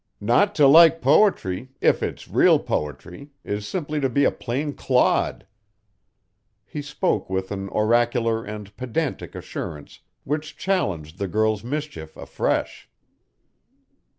"Not to like poetry if it's real poetry is simply to be a plain clod." He spoke with an oracular and pedantic assurance which challenged the girl's mischief afresh.